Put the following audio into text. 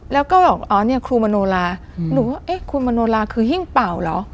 แล้วก็บอกอ๋อเนี่ยครูมโนลาหนูว่าเอ๊ะครูมโนลาคือหิ้งเป่าเหรอ